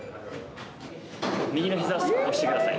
右のひざ、押してください。